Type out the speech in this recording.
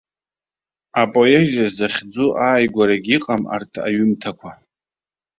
Апоезиа захьӡу ааигәарагьы иҟам арҭ аҩымҭақәа.